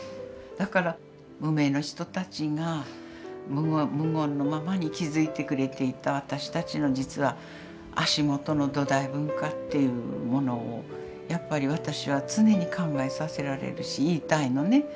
だから無名の人たちが無言のままに築いてくれていた私たちの実は足元の土台文化っていうものをやっぱり私は常に考えさせられるし言いたいのね。